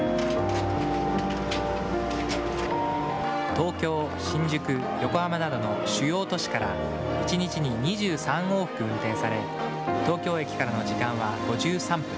東京、新宿、横浜などの主要都市から一日に２３往復運転され東京駅からの時間は５３分。